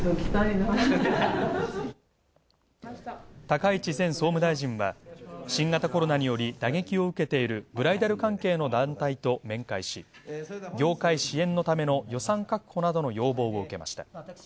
高市前総務大臣は、新型コロナにより打撃を受けているブライダル関係の団体と面会し、業界支援のための予算確保などの要望を受けました。